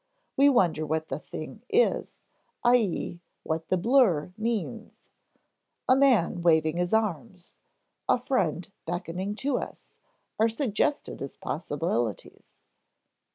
We wonder what the thing is, i.e. what the blur means. A man waving his arms, a friend beckoning to us, are suggested as possibilities.